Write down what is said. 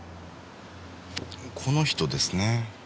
この人ですね。